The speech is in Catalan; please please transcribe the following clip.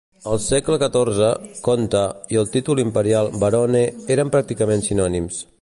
Al segle XIV, "conte" i el títol imperial "barone" eren pràcticament sinònims.